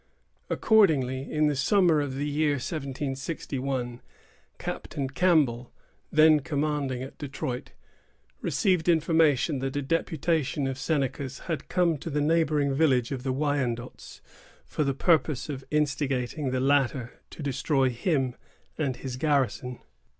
Accordingly, in the summer of the year 1761, Captain Campbell, then commanding at Detroit, received information that a deputation of Senecas had come to the neighboring village of the Wyandots for the purpose of instigating the latter to destroy him and his garrison.